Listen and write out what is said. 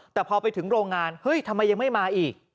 แต่พอไปถึงโรงงานเฮ้ยทำไมยังไม่มาอีก